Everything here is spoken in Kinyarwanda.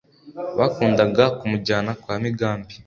bakundaga kumujyana kwa Migambi